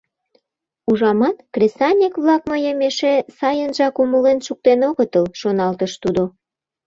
«Ужамат, кресаньык-влак мыйым эше сайынжак умылен шуктен огытыл», — шоналтыш тудо.